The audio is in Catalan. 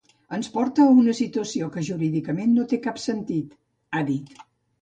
“Ens porta a una situació que jurídicament no té cap sentit”, ha dit.